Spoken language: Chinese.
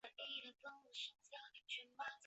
比赛设最佳老棋手。